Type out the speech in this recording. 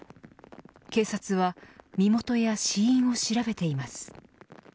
警察は身元や死因を調べています。